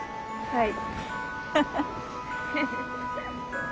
はい。